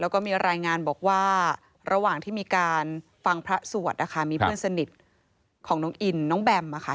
ของน้องอินน้องแบมมาค่ะ